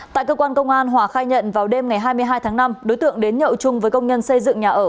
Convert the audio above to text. tại cơ quan công an hòa khai nhận vào đêm ngày hai mươi hai tháng năm đối tượng đến nhậu chung với công nhân xây dựng nhà ở